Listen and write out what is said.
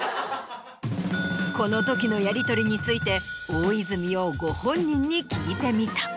このときのやりとりについて大泉洋ご本人に聞いてみた。